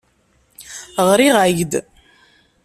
Ɣriɣ-ak-d.